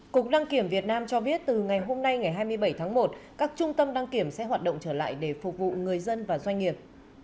cục đăng kiểm việt nam cho biết từ ngày hôm nay ngày hai mươi bảy tháng một các trung tâm đăng kiểm sẽ hoạt động trở lại để phục vụ người dân và doanh nghiệp